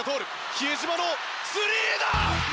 比江島のスリーだ！